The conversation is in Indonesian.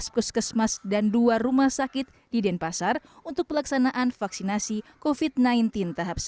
tujuh belas puskesmas dan dua rumah sakit di denpasar untuk pelaksanaan vaksinasi covid sembilan belas tahap satu